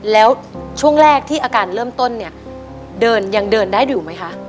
แล้วช่วงแรกที่อาการเริ่มต้นเนี่ยเดินยังเดินได้อยู่ไหมคะ